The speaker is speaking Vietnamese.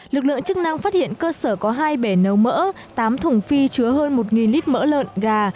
lực lượng chức năng phát hiện cơ sở có hai bể nấu mỡ tám thùng phi chứa hơn một lít mỡ lợn gà